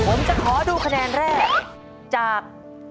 ผมจะขอดูคะแนนแรกจาก